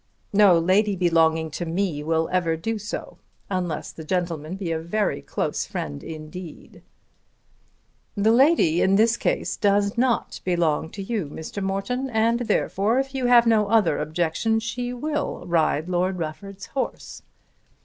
"No lady belonging to me will ever do so, unless the gentleman be a very close friend indeed." "The lady in this case does not belong to you, Mr. Morton, and therefore, if you have no other objection, she will ride Lord Rufford's horse.